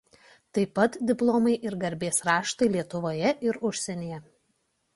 Taip pat diplomai ir garbės raštai Lietuvoje ir užsienyje.